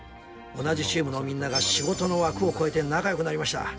同じチームのみんなが仕事の枠を超えて仲良くなりました。